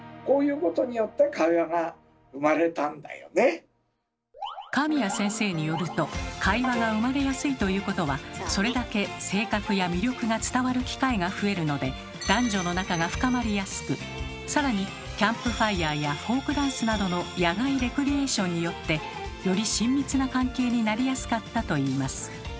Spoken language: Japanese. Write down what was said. こういうことによって神谷先生によると会話が生まれやすいということはそれだけ性格や魅力が伝わる機会が増えるので男女の仲が深まりやすく更にキャンプファイアやフォークダンスなどの野外レクリエーションによってより親密な関係になりやすかったといいます。